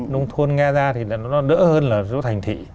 nông thôn nghe ra thì nó đỡ hơn là một số thành thị